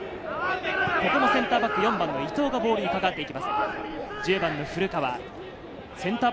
センターバック４番の伊東がボールにかかわっていきます。